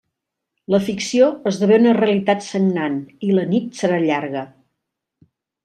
La ficció esdevé una realitat sagnant, i la nit serà llarga.